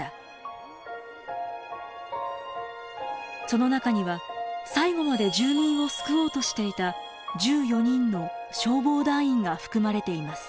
その中には最後まで住民を救おうとしていた１４人の消防団員が含まれています。